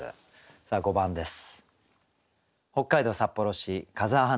さあ５番です。